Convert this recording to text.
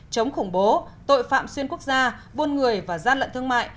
chống khủng bố tội phạm xuyên quốc gia buôn người và gian lận thương mại